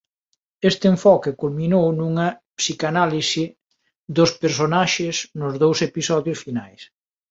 Este enfoque culminou nunha psicanálise dos personaxes nos dous episodios finais.